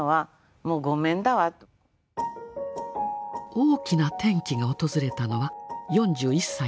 大きな転機が訪れたのは４１歳の時。